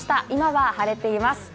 今は晴れています。